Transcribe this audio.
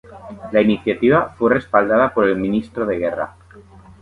La iniciativa fue respaldada por el Ministro de Guerra.